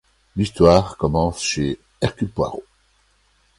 L’histoire commence chez Hercule Poirot.